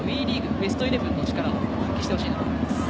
ベストイレブンの力を発揮してほしいなと思います。